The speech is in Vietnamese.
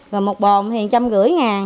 rồi một bồn thì một trăm năm mươi ngàn